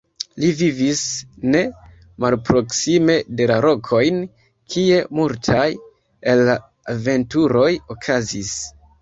Li vivis ne malproksime de la lokojn, kie multaj el la aventuroj okazis.